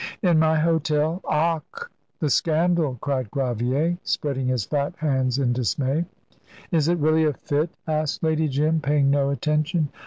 "In my hotel? Ach! the scandal!" cried Gravier, spreading his fat hands in dismay. "Is it really a fit?" asked Lady Jim, paying no attention.